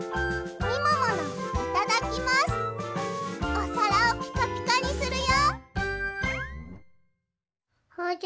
おさらをピカピカにするよ！